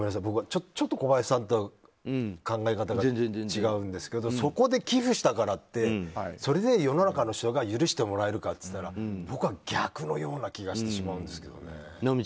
僕はちょっと小林さんとは考え方が違うんですけどそこで寄付したからってそれで世の中の人から許してもらえるかっつったら僕は逆のような気がしてしまうんですけどね。